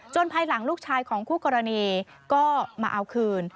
ภายหลังลูกชายของคู่กรณีก็มาเอาคืน